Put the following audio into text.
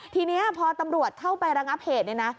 ทีนี้พอตำรวจเข้าไประงับเหตุเนี่ยนะ